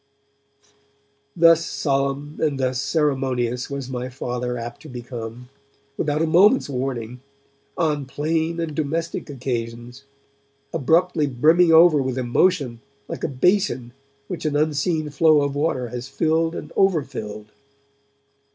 Thus solemn and thus ceremonious was my Father apt to become, without a moment's warning, on plain and domestic occasions; abruptly brimming over with emotion like a basin which an unseen flow of water has filled and over filled.